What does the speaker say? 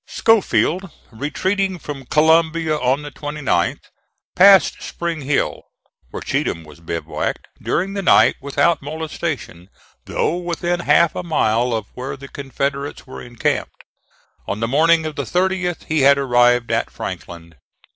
Schofield retreating from Columbia on the 29th, passed Spring Hill, where Cheatham was bivouacked, during the night without molestation, though within half a mile of where the Confederates were encamped. On the morning of the 30th he had arrived at Franklin.